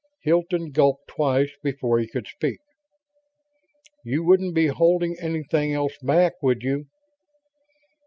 Hilton gulped twice before he could speak. "You wouldn't be holding anything else back, would you?"